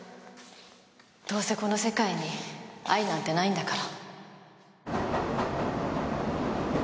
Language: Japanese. どうせこの世界に愛なんてないんだから。